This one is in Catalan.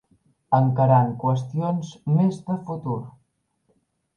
Encarant qüestions més de futur.